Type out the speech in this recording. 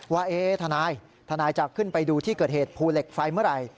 ว่าทนายทนายจะขึ้นไปดูที่เกิดเหตุภูเหล็กไฟเมื่อไหร่